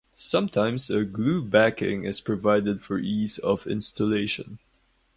Sometimes a glue backing is provided for ease of installation.